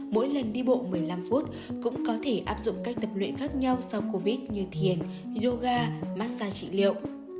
mỗi lần đi bộ một mươi năm phút cũng có thể áp dụng cách tập luyện khác nhau sau covid như thiền yoga massage trị liệu